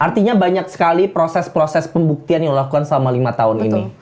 artinya banyak sekali proses proses pembuktian yang dilakukan selama lima tahun ini